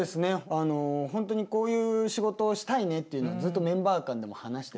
あの本当にこういう仕事をしたいねっていうのはずっとメンバー間でも話してて。